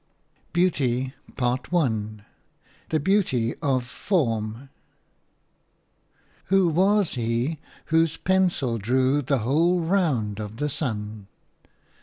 IVBEAUTY IV. – BEAUTY THE BEAUTY OF FORM "Who was he whose pencil drew the whole round of the sun?"